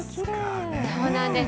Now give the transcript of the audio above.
そうなんです。